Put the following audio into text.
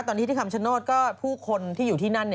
ตอนนี้ที่คำชโนธก็ผู้คนที่อยู่ที่นั่น